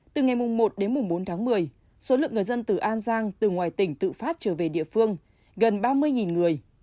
từ ngày một đến bốn tháng một mươi số lượng người dân từ an giang từ ngoài tỉnh tự phát trở về địa phương gần ba mươi người